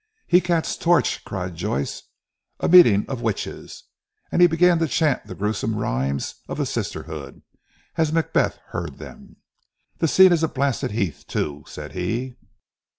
"Hecate's torch," cried Joyce, "a meeting of witches," and he began to chant the gruesome rhymes of the sisterhood, as Macbeth heard them. "The scene is a blasted heath too," said he.